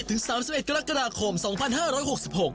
สามสิบเอ็ดกรกฎาคมสองพันห้าร้อยหกสิบหก